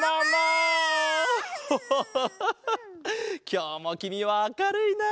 きょうもきみはあかるいな。